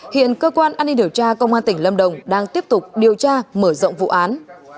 hiện cơ quan an ninh điều tra công an tỉnh lâm đồng đang tiếp tục điều tra mở rộng vụ án